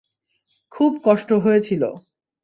খুব কষ্ট হয়েছিল।